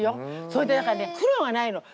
それでだからね苦労がないの。